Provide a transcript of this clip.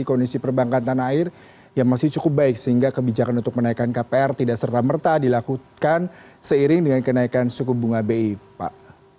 kondisi perbankan tanah air yang masih cukup baik sehingga kebijakan untuk menaikkan kpr tidak serta merta dilakukan seiring dengan kenaikan suku bunga bi pak